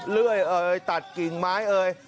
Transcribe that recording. เลื่อยเอ่ยตัดกิ่งไม้เอ่ย